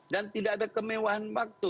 dan tidak ada kemewahan waktu